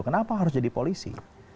kenapa harus jadi polisi